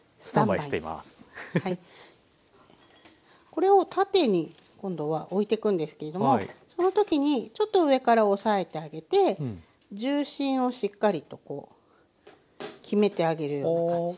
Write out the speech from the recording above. これを縦に今度は置いてくんですけれどもその時にちょっと上から押さえてあげて重心をしっかりとこう決めてあげるような感じ。